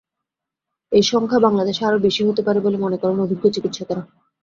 এ সংখ্যা বাংলাদেশে আরও বেশি হতে পারে বলে মনে করেন অভিজ্ঞ চিকিৎসকেরা।